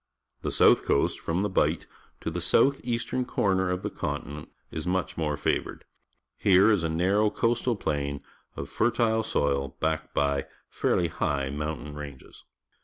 The south coast, from the Bight to the south eastern corner of the continent, is much more favoured. Here is a narrow coast al plain of fertile soil, backed by fairly high mountain ranges.